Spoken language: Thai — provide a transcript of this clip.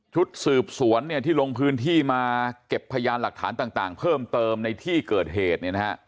ชุดสืบสวนที่ลงพื้นที่มาเก็บพยานหลักฐานต่างเพิ่มเติมในที่เกิดเหตุ